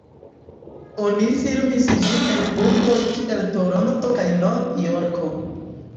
Oni filmis ĝin en urboj kiel Toronto kaj Nov-Jorko.